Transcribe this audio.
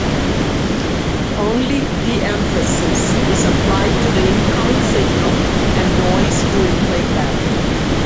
Only de-emphasis is applied to the incoming signal and noise during playback.